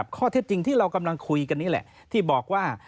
ข้อเท็จจริงที่เรากำลังคุยกันนี่แหละที่บอกว่า